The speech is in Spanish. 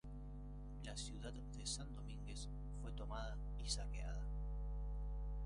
La ciudad de Sandomierz fue tomada y saqueada.